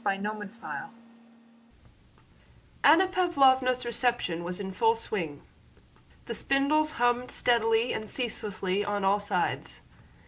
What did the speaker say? CHAPTER III Anna Pávlovna's reception was in full swing. The spindles hummed steadily and ceaselessly on all sides.